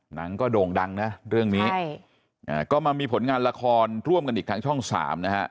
หนังก็โด่งดังนะเรื่องนี้ใช่อ่าก็มามีผลงานละครร่วมกันอีกทางช่องสามนะฮะ